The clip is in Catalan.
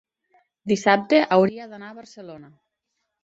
dissabte hauria d'anar a Barcelona.